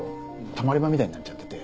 たまり場みたいになっちゃってて。